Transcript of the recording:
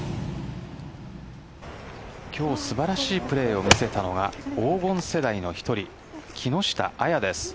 今日素晴らしいプレーを見せたのは黄金世代の１人、木下彩です。